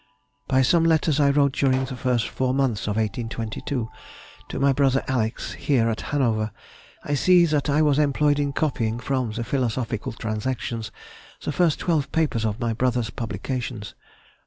"By some letters I wrote during the first four months of 1822 to my brother Alex^r. here at Hanover, I see that I was employed in copying from the Philosophical Transactions the first twelve papers of my brother's publications.